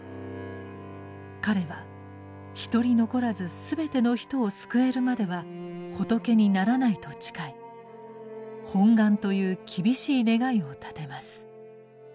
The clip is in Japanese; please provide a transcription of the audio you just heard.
彼は一人残らず全ての人を救えるまでは仏にならないと誓い「本願」という厳しい願いを立てます。